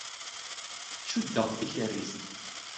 Cuddeɣ tikerrist.